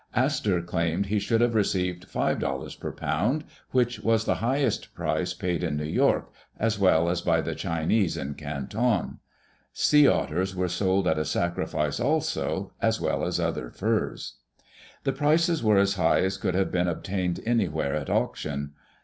Astor claimed he should have received $5.00 per pound, which was the highest price paid in New York, as well as by the Chinese in Can ton. Sea otters were sold at a sacrifice also, as well as other furs. The prices were as high as could have been obtained anywhere at auction.